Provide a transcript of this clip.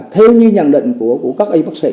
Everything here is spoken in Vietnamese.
theo như nhận định của các y bác sĩ